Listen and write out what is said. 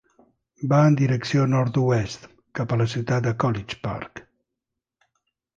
Va en direcció nord-oest, cap a la ciutat de College Park.